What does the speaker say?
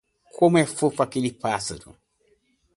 Como é fofo aquele pássaro.